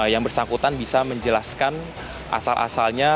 yang bersangkutan bisa menjelaskan asal asalnya